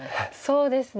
そうですね。